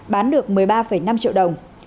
bán được một mươi ba năm triệu đồng